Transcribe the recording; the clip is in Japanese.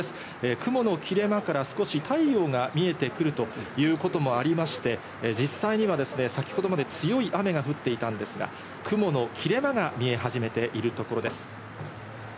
雲の切れ間から少し太陽が見えてくるということもありまして、実際には先ほどまで強い雨が降っていたんですが、雲の切れ間が見え始めているところです。